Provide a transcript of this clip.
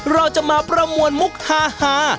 เราจะมาประมวลมุกฮา